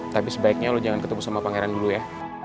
tapi sebaiknya lo jangan ketemu sama pangeran dulu ya